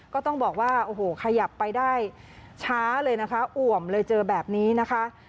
ก็ต้องบอกว่าโอ้โหขยับไปได้ช้าเลยนะคะอ่วมเลยเจอแบบนี้นะคะ